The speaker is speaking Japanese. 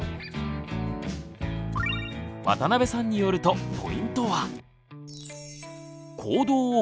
渡邊さんによるとポイントは。